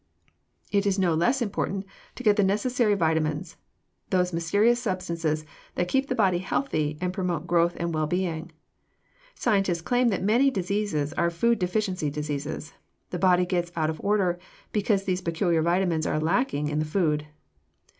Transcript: It is no less important to get the necessary vitamins those mysterious substances that keep the body healthy and promote growth and well being. Scientists claim that many diseases are food deficiency diseases the body gets out of order because these peculiar vitamins are lacking in the food.